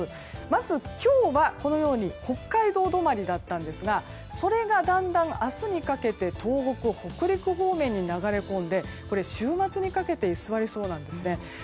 まず、今日は北海道止まりだったんですがそれがだんだん明日にかけて東北、北陸方面に流れ込んで週末にかけて居座りそうなんです。